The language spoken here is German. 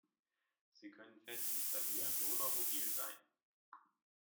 Sie können fest installiert oder mobil sein.